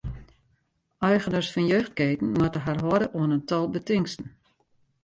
Eigeners fan jeugdketen moatte har hâlde oan in tal betingsten.